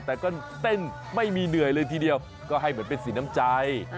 แต่ก็เต้นไม่มีเหนื่อยเลยทีเดียวก็ให้เหมือนเป็นสีน้ำใจ